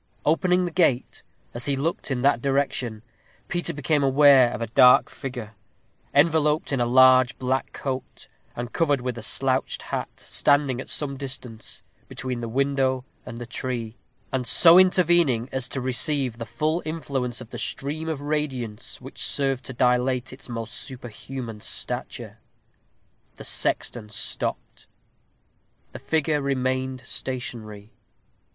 Opening the gate, as he looked in that direction, Peter became aware of a dark figure, enveloped in a large black cloak, and covered with a slouched hat, standing at some distance, between the window and the tree, and so intervening as to receive the full influence of the stream of radiance which served to dilate its almost superhuman stature. The sexton stopped. The figure remained stationary.